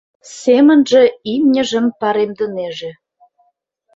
Семынже имньыжым паремдынеже.